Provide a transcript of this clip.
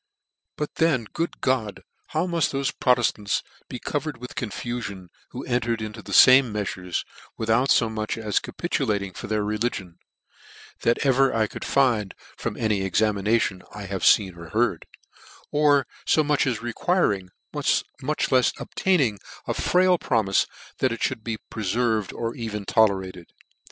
cc But then, good God ! how muft thefe Pro teftants be covered with confufion, who entered into the fame meafures, without fo much as capi tulating for their religion, (that ever I could find from ACCOUNT of the REBELLION in 1715. 195 from any examination I have feen or heard) or fo much as requiring, much lefs obtaining a frail promife, that it mould be preferred, or even tolerated.